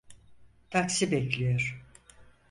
Taksi bekliyor.